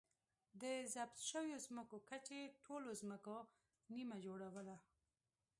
د ضبط شویو ځمکو کچې ټولو ځمکو نییمه جوړوله.